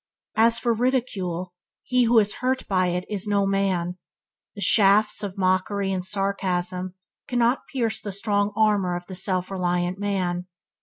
As for ridicule he who is hurt by it is no man. The shafts or mockery and sarcasm cannot pierce the strong armour of the self reliant man.